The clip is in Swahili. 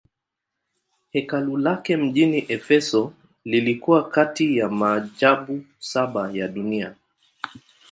Hekalu lake mjini Efeso lilikuwa kati ya maajabu saba ya dunia.